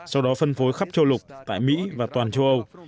sau đó phân phối khắp châu lục tại mỹ và toàn châu âu